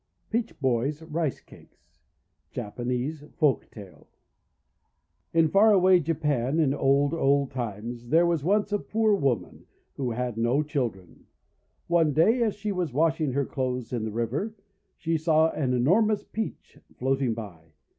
PEACH BOY'S RICE CAKES Japanese Folktale IN far away Japan, in old, old times, there was once a poor woman who had no children. One day, as she was washing her clothes in the river, she saw an enormous Peach floating by.